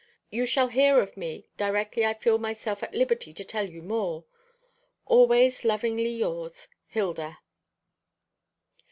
You shall hear of me directly I feel myself at liberty to tell you more. Always lovingly yours, HILDA."